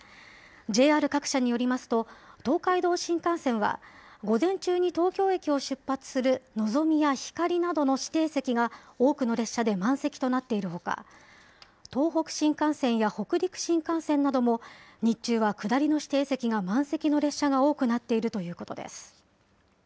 ＪＲ各社によりますと、東海道新幹線は、午前中に東京駅を出発するのぞみやひかりなどの指定席が多くの列車で満席となっているほか、東北新幹線や北陸新幹線なども、日中は下りの指定席が満席の列車が多くなっているということです。